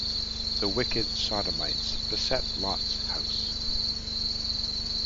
The wicked Sodomites beset Lot's house.